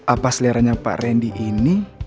apa seleranya pak randy ini